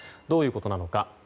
どういうことなのか。